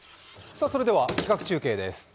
それでは企画中継です。